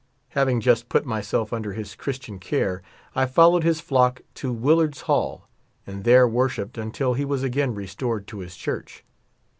Having just put myself under his Chris tian care, I followed his" flock to WiUard's Hall, and there worshipped until he was again restored to his church.